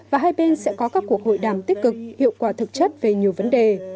và hai bên sẽ có các cuộc hội đàm tích cực hiệu quả thực chất về nhiều vấn đề